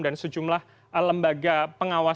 dan sejumlah lembaga pengacara